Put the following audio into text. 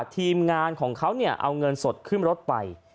ทีมงานของเขาเอาเงินสดขึ้นรถไป